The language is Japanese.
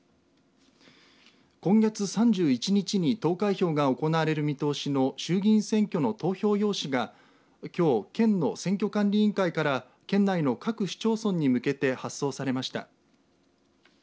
今月３１日に投開票が行われる見通しの衆議院選挙の投票用紙がきょう、県の選挙管理委員会から県内の各市町村に向けて発送されました。